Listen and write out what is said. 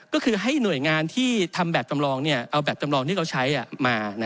ก็คือให้หน่วยงานที่ทำแบบจำลองเอาแบบจำลองที่เขาใช้มา